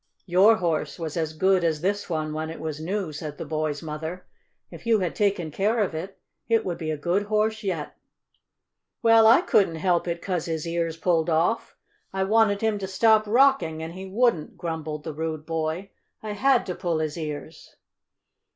"Your horse was as good as this one when it was new," said the boy's mother. "If you had taken care of it, it would be a good horse yet." "Well, I couldn't help it 'cause his ears pulled off! I wanted him to stop rocking and he wouldn't!" grumbled the rude boy. "I had to pull his ears!"